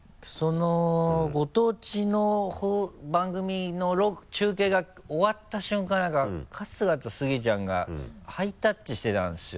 ご当地の番組の中継が終わった瞬間何か春日とスギちゃんがハイタッチしてたんですよ。